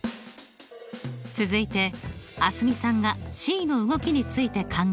続いて蒼澄さんがｃの動きについて考えます。